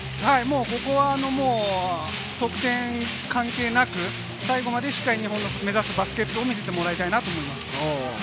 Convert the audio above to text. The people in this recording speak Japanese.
ここは得点関係なく最後までしっかり日本の目指すバスケットを見せてもらいたいなと思います。